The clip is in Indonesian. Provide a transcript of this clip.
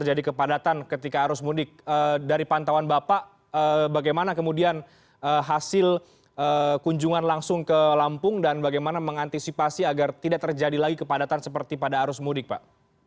apa hasil kunjungan langsung ke lampung dan bagaimana mengantisipasi agar tidak terjadi lagi kepadatan seperti pada arus mudik pak